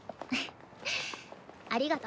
ありがと。